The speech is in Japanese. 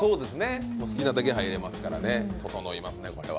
お好きなだけ入れますから、ととのいますね。